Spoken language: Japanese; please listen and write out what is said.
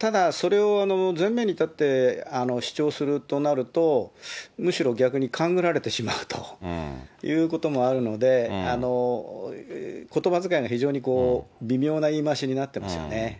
ただそれを前面に、前面に立って、主張するとなると、むしろ逆に勘ぐられてしまうということもあるので、ことばづかいが非常に微妙な言い回しになってますよね。